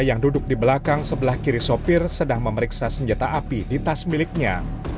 yang duduk di belakang sebelah kiri sopir sedang memeriksa senjata api di tas miliknya